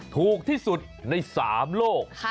ถูกที่สุดใน๓โลก